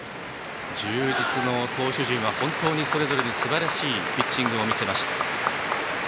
充実の投手陣は本当にそれぞれにすばらしいピッチングを見せました。